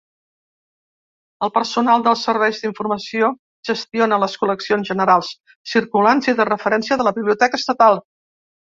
El personal dels serveis d'informació gestiona les col·leccions generals, circulants i de referència de la Biblioteca Estatal.